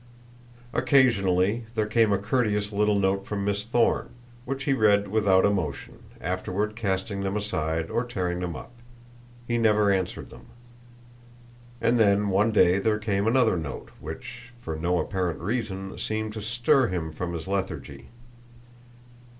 Occasionally there came a courteous little note from Miss Thorne, which he read without emotion, afterward casting them aside or tearing them up. He never answered them. And then one day there came another note which, for no apparent reason, seemed to stir him from his lethargy.